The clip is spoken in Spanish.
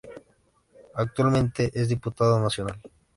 Actualmente es diputado nacional.